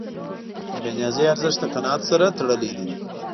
د بېنیازۍ ارزښت د قناعت سره تړلی دی.